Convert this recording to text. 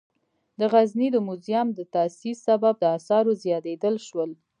د غزني د موزیم د تاسیس سبب د آثارو زیاتیدل شول.